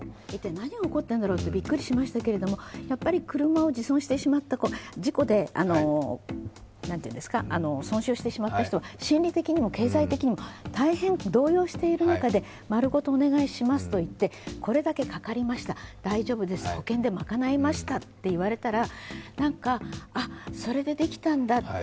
何が起こっているんだろうとびっくりしましたけれども、車を自損してしまった、事故で損傷してしまった人は心理的にも経済的にも大変動揺している中で、丸ごとお願いしますといってこれだけかかりました、大丈夫です、保険で賄えましたと言われたら、なんかあっ、それでできたんだって